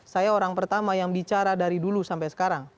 saya orang pertama yang bicara dari dulu sampai sekarang